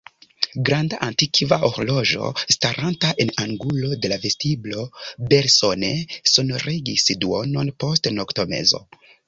Granda, antikva horloĝo, staranta en angulo de la vestiblo, belsone sonorigis duonon post noktomezo.